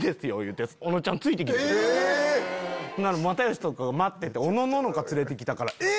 又吉とかが待ってておのののか連れて来たからえ